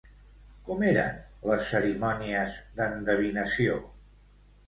Com eren les cerimònies d'endevinació?